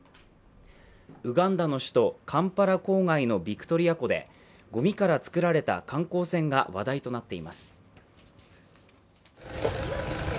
ウガンダの首都カンパラ郊外のビクトリア湖でごみから造られた観光船が話題となっています。